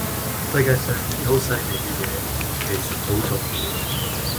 世界上有啲好細微嘅嘢，其實好重要